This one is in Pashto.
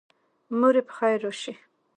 موري پخیر راشي